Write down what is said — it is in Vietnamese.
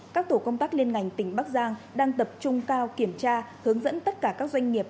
các tổ công tác liên ngành tỉnh bắc giang đang tập trung cao kiểm tra hướng dẫn tất cả các doanh nghiệp